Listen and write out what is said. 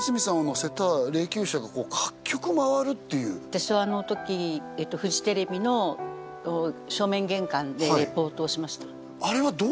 私はあの時フジテレビの正面玄関でレポートをしました